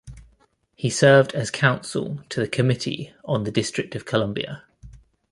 He served as counsel to the Committee on the District of Columbia.